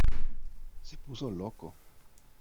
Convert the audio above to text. Se puso loco.